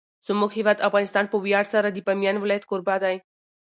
زموږ هیواد افغانستان په ویاړ سره د بامیان ولایت کوربه دی.